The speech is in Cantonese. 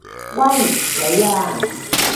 喂！你啊！